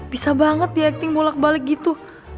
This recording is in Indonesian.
bisa banget diakting bolak balik gitu